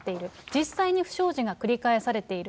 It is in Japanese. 実際に不祥事が繰り返されている。